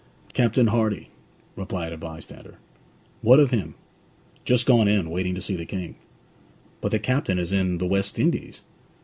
'Captain Hardy,' replied a bystander. 'What of him?' 'Just gone in waiting to see the King.' 'But the captain is in the West Indies?'